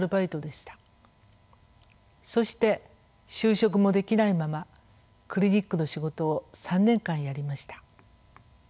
そして就職もできないままクリニックの仕事を３年間やりました。